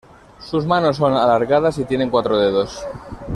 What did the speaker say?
Sus manos son alargadas y tienen cuatro dedos.